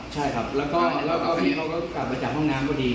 ใช่ครับแล้วก็ทีนี้เราก็กลับมาจากห้องน้ำพอดี